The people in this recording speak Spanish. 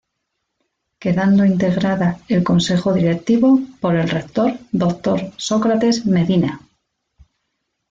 Quedando integrada el Consejo Directivo, por el Rector, Dr. Sócrates Medina.